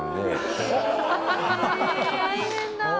大変だ。